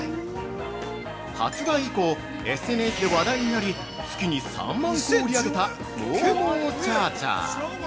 ◆発売以降、ＳＮＳで話題になり月に３万個を売り上げたモーモーチャーチャー。